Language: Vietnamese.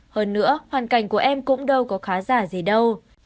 hơn nữa hoàn cảnh của em cũng đâu có khá giả gì đâu